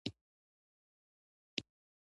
بدخشان د افغانستان د ولایاتو په کچه توپیر لري.